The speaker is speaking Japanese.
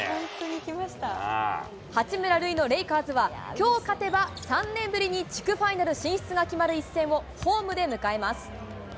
八村塁のレイカーズは、きょう勝てば３年ぶりに地区ファイナル進出が決まる一戦を、ホームで迎えます。